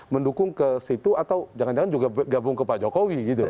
mendukung ke situ atau jangan jangan juga gabung ke pak jokowi gitu